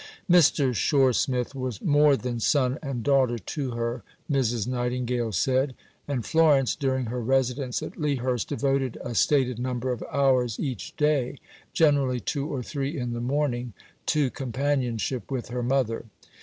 Mr. Shore Smith was "more than son and daughter to her," Mrs. Nightingale said; and Florence, during her residence at Lea Hurst, devoted a stated number of hours each day generally two or three in the morning to companionship with her mother.